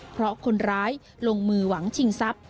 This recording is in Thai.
เพราะคนร้ายลงมือหวังชิงทรัพย์